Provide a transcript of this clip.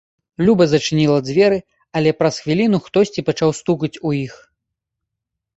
Люба зачыніла дзверы, але праз хвіліну хтосьці пачаў стукаць у іх.